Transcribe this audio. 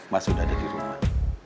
mas sudah ada di rumah